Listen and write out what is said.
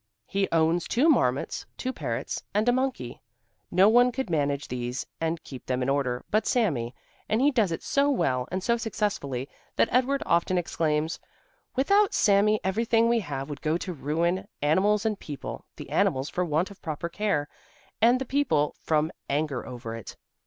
He owns two marmots, two parrots and a monkey. No one could manage these and keep them in order but Sami, and he does it so well and so successfully that Edward often exclaims: "Without Sami everything we have would go to ruin, animals and people, the animals for want of proper care and the people from anger over it."